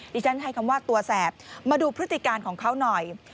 ที่ฉันให้คำว่าตัวแสบมาดูพฤติการของเขาหน่อย